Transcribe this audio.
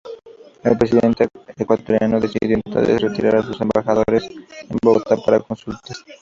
El presidente ecuatoriano decidió entonces retirar a su embajador en Bogotá para consultas.